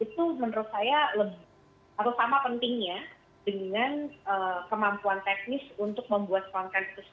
itu menurut saya lebih atau sama pentingnya dengan kemampuan teknis untuk membuat konten itu sendiri